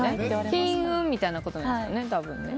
金運みたいなことなんですかね。